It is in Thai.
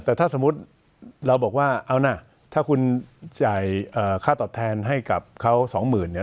แต่ถ้าสมมุติเราบอกว่าเอาหน้าถ้าคุณจ่ายค่าตอบแทนให้กับเขา๒๐๐๐๐บาท